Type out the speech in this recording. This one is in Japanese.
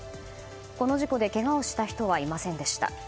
この事故でけがをした人はいませんでした。